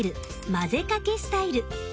混ぜかけスタイル。